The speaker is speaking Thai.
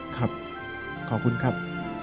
ขอบคุณครับ